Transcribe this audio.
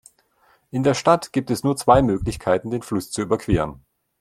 In der Stadt gibt es nur zwei Möglichkeiten, den Fluss zu überqueren.